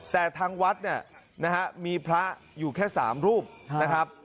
แต่ทางวัดมีพระอยู่แค่๓รูปนะครับ